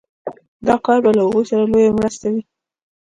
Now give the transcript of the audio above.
دا کار به له هغوی سره لويه مرسته وي